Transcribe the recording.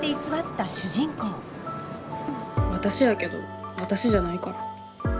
私やけど私じゃないから。